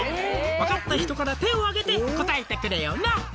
「わかった人から手をあげて答えてくれよな」